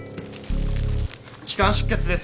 気管出血です。